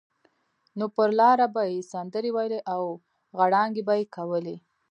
نو پر لاره به یې سندرې ویلې او غړانګې به یې کولې.